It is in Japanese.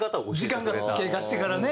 時間が経過してからね。